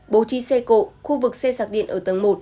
bố trí xe cộ khu vực xe sạc điện ở tầng một